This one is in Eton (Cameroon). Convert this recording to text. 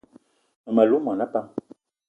Mmem- alou mona pam